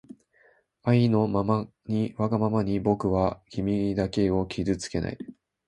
あいのままにわがままにぼくはきみだけをきずつけない